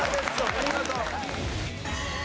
お見事！